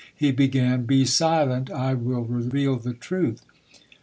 He began: "Be silent, I will reveal the truth.